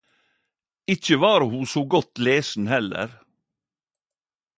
Ikkje var ho så godt lesen heller.